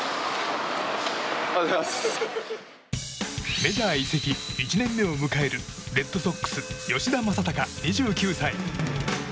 メジャー移籍１年目を迎えるレッドソックス吉田正尚、２９歳。